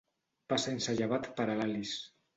Pa sense llevat per a l'Alice.